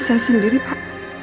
saya sendiri pak